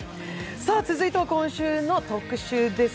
続いては今週の特集です。